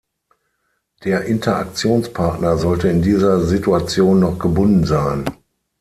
Der Interaktionspartner sollte in dieser Situation noch gebunden sein.